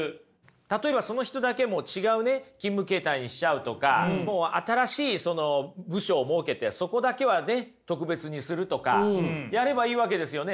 例えばその人だけもう違うね勤務形態にしちゃうとか新しい部署を設けてそこだけはね特別にするとかやればいいわけですよね。